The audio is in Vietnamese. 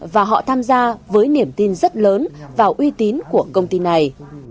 và họ tham gia với niềm tin rất lớn vào uy tín của công ty này